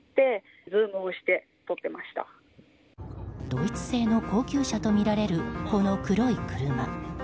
ドイツ製の高級車とみられるこの黒い車。